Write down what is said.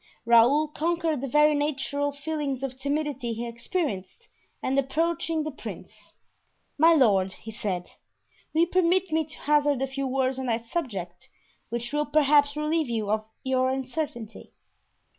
Raoul conquered the very natural feeling of timidity he experienced and approaching the prince: "My lord," he said, "will you permit me to hazard a few words on that subject, which will perhaps relieve you of your uncertainty?"